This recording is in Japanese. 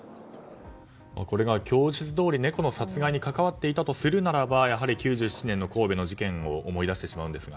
これが供述どおり猫の殺害に関わっていたとするならばやはり９７年の神戸の事件を思い出してしまうんですが。